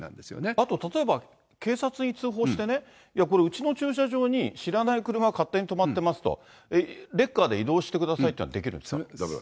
あと、例えば警察に通報して、これ、うちの駐車場に知らない車が勝手に止まってますと、レッカーで移動してくださいというのはできるんですか？